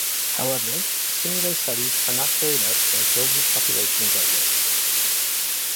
However, similar studies are not carried out where a global population is at risk.